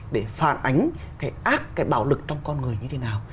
để phản ánh cái ác cái bạo lực trong con người như thế nào